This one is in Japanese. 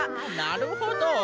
なるほど。